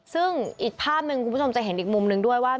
ซึ่งอีกภาพหนึ่งคุณผู้ชมจะเห็นอีกมุมนึงด้วยว่า